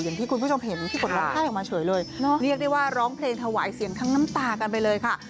อย่างที่คุณผู้ชมเห็นพี่ฝนร้องไห้ออกมาเฉยเลยเรียกได้ว่าร้องเพลงถวายเสียงทั้งน้ำตากันไปเลยค่ะ